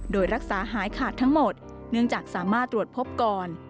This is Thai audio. โดยรักษาหายขาดทั้งหมดเนื่องจากสามารถตรวจพบก่อน